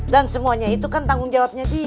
dan semuanya itu kan tanggung jawabnya dia